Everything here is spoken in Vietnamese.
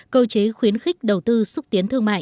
cơ chế khuyến khích đầu tư xúc tiến thương mại